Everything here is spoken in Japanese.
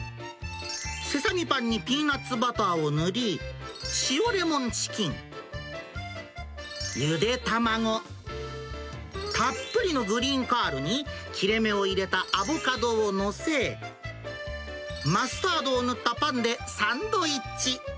セサミパンにピーナッツバターを塗り、塩レモンチキン、ゆで卵、たっぷりのグリーンカールに切れ目を入れたアボカドを載せ、マスタードを塗ったパンでサンドイッチ。